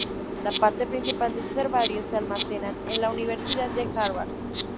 La parte principal de sus herbarios se almacenan en la Universidad de Harvard.